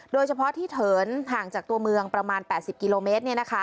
โดยเฉพาะที่เถินห่างจากตัวเมืองประมาณ๘๐กิโลเมตร